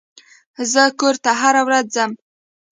زه کور ته هره ورځ ځم.